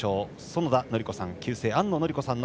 園田教子さん